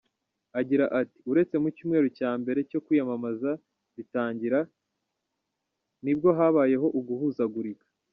Agira ati “Uretse mu cyumweru cyambere cyo kwiyamamaza bitangira, nibwo habayemo uguhuzagurika.